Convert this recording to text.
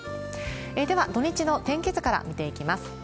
では、土日の天気図から見ていきます。